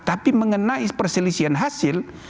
tapi mengenai perselisihan hasil